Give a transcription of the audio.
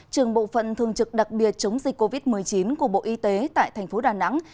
trường bộ phận thường trực đặc biệt chống dịch covid một mươi chín của bộ y tế tại thành phố đà nẵng